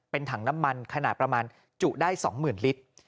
เป็นถังน้ำมันขนาดประมาณจุได้๒๐๐๐ลิตร